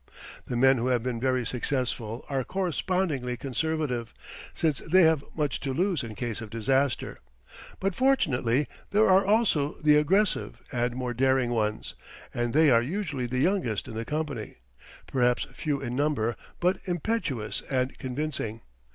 The men who have been very successful are correspondingly conservative, since they have much to lose in case of disaster. But fortunately there are also the aggressive and more daring ones, and they are usually the youngest in the company, perhaps few in number, but impetuous and convincing.